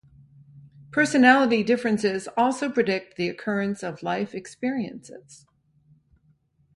Personality differences also predict the occurrence of life experiences.